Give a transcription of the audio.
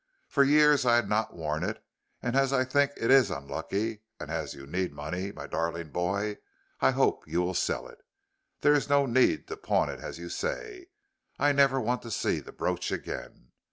For years I had not worn it, and as I think it is unlucky, and as you need money, my darling boy, I hope you will sell it. There is no need to pawn it as you say. I never want to see the brooch again.